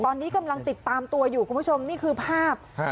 ตอนนี้กำลังติดตามตัวอยู่คุณผู้ชมนี่คือภาพ